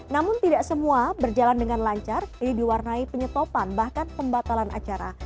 namun tidak semua berjalan dengan lancar ini diwarnai penyetopan bahkan pembatalan acara